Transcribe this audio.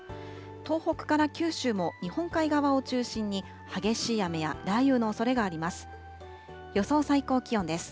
東北から九州も、日本海側を中心に激しい雨や雷雨のおそれがあります。